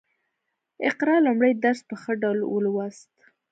اقرا لومړی درس په ښه ډول ولوست